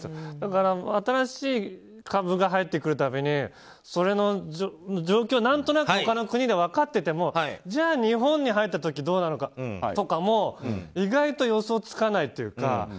だから新しい株が入ってくる度にそれの状況を何となく他の国で分かっていてもじゃあ日本に入った時どうなのかとかも意外と予想つかないっていうか。